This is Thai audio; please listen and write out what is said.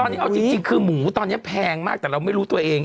ตอนนี้เอาจริงคือหมูตอนนี้แพงมากแต่เราไม่รู้ตัวเอง